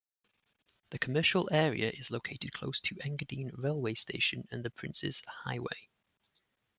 The commercial area is located close to Engadine railway station and the Princes Highway.